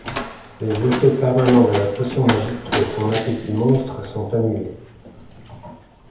Les effets permanents de la potion magique et son appétit monstre sont annulés.